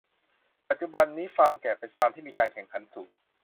ปัจจุบันนี้ฟาร์มแกะเป็นฟาร์มที่มีการแข่งขันสูง